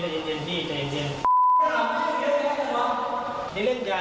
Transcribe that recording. ซื้อมานานหรือยัง